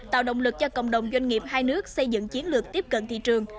tạo động lực cho cộng đồng doanh nghiệp hai nước xây dựng chiến lược tiếp cận thị trường